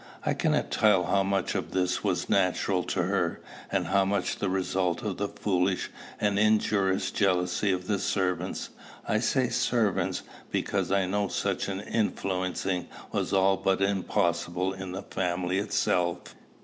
I cannot tell how much of this was natural to her, and how much the result of the foolish and injurious jealousy of the servants. I say servants, because I know such an influencing was all but impossible in the family itself.